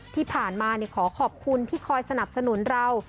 ที่ผ่านมาขอขอบคุณที่คอยสนับสนุนเรา